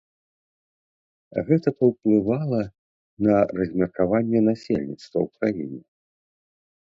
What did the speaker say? Гэта паўплывала на размеркаванне насельніцтва ў краіне.